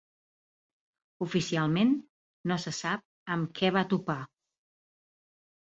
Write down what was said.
Oficialment no se sap amb què va topar.